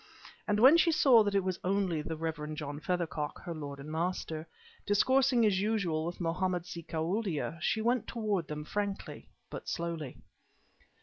And when she saw that it was only the Rev. John Feathercock, her lord and master, discoursing as usual with Mohammed si Koualdia, she went toward them frankly but slowly.